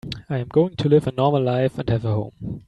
I'm going to live a normal life and have a home.